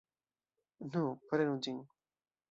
Nu, prenu ĝin!